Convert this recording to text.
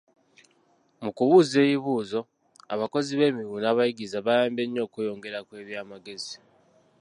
Mu kubuuza ebibuuzo abakozi b'emirimu n'abayigiriza bayambye nnyo okweyongera kw'ebyamagezi.